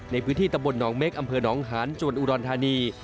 ในพื้นที่ตำบลหนองเม็กอำเภอหนองหานจวนอุดรธานี